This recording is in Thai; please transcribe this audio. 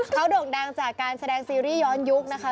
เขาโด่งดังจากการแสดงซีรีส์ย้อนยุคนะคะ